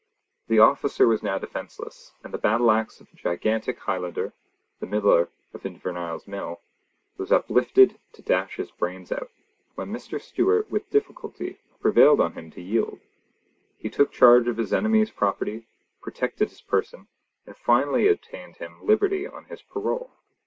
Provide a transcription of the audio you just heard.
The officer was now defenceless, and the battle axe of a gigantic Highlander (the miller of Invernahyle's mill) was uplifted to dash his brains out, when Mr. Stewart with difficulty prevailed on him to yield. He took charge of his enemy's property, protected his person, and finally obtained him liberty on his parole.